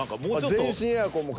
全身エアコンも変える。